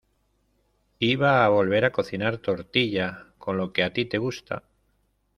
iba a volver a cocinar tortilla. con lo que a ti te gusta .